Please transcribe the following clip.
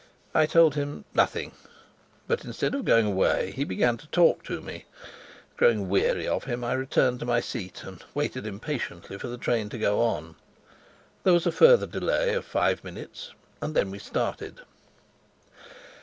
I told him "nothing"; but instead of going away, he began to talk to me. Growing weary of him, I returned to my seat and waited impatiently for the train to go on. There was a further delay of five minutes, and then we started.